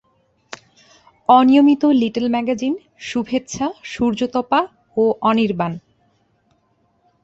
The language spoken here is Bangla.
অনিয়মিত লিটল ম্যাগাজিন শুভেচ্ছা, সূর্যতপা ও অনির্বাণ।